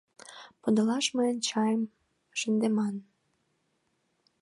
— Подылаш мый чайым шынденам.